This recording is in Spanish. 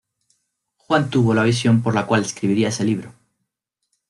Juan tuvo la visión por la cual escribiría ese libro.